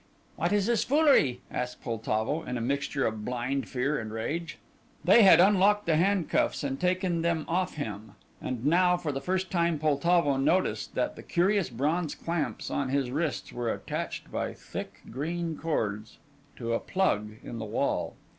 "What is this foolery?" asked Poltavo, in a mixture of blind fear and rage. They had unlocked the handcuffs and taken them off him, and now for the first time Poltavo noticed that the curious bronze clamps on his wrists were attached by thick green cords to a plug in the wall.